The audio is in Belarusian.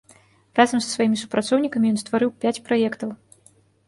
Разам са сваімі супрацоўнікамі ён стварыў пяць праектаў.